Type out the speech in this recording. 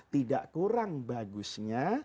tidak kurang bagusnya